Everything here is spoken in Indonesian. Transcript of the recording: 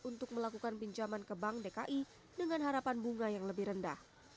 untuk melakukan pinjaman ke bank dki dengan harapan bunga yang lebih rendah